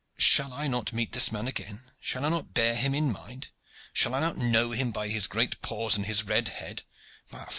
Shall I not meet this man again? Shall I not bear him in mind? Shall I not know him by his great paws and his red head?